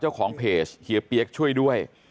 เจ้าของเพจเฮียเปี๊ยกช่วยด้วย